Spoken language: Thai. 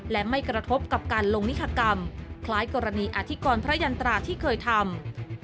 และไม่กระทบกับการลงนิธกรรมคล้ายกรณีอธิกรพระยันตราที่เคยทำ